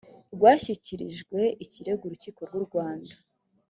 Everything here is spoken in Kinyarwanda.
rwashyikirijwe ikirego urukiko rw u rwanda .